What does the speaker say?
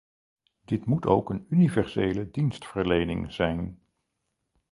Dit moet ook een universele dienstverlening zijn.